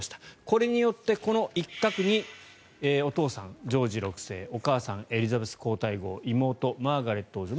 これによってこの一角にお父さん、ジョージ６世お母さん、エリザベス皇太后妹、マーガレット王女。